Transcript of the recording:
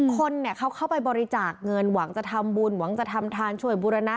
คนเขาเข้าไปบริจาคเงินหวังจะทำบุญหวังจะทำทานช่วยบุรณะ